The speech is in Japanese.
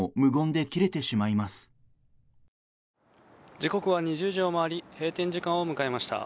時刻は２０時を回り閉店時間を迎えました。